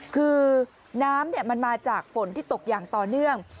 คือน้ำมันมาจากฝนที่ตกอย่างต่อเนื่อง